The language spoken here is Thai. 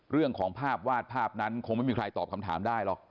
เรื่องของภาพวาดภาพนั้นคงไม่มีใครตอบคำถามได้หรอก